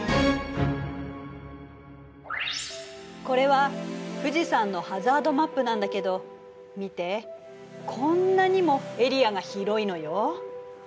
これは富士山のハザードマップなんだけど見てこんなにもエリアが広いのよ。